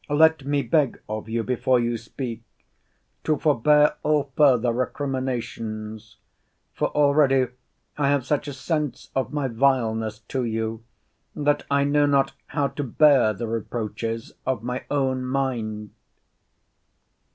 Let me beg of you, before you speak, to forbear all further recriminations: for already I have such a sense of my vileness to you, that I know not how to bear the reproaches of my own mind.